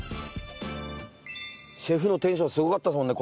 シェフのテンションすごかったですもんね